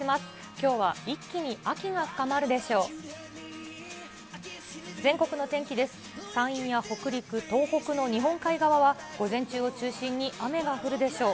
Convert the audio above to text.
きょうは一気に秋が深まるでしょう。